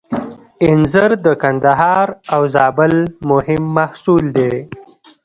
انځر د کندهار او زابل مهم محصول دی